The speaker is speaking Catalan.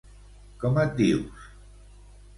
com et dius?